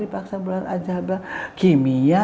dipaksa belajar aljabar kimia